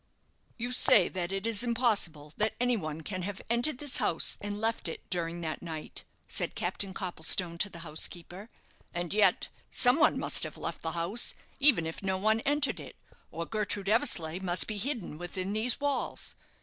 "You say that it is impossible that any one can have entered this house, and left it, during that night," said Captain Copplestone to the housekeeper; "and yet some one must have left the house, even if no one entered it, or Gertrude Eversleigh must be hidden within these walls.